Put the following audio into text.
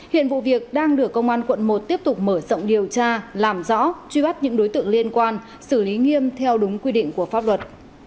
hiện vụ việc đang được công an quận một tiếp tục mở rộng điều tra làm rõ truy bắt những đối tượng liên quan xử lý nghiêm theo đúng quy định của pháp luật